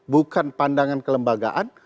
bukan pandangan kelembagaan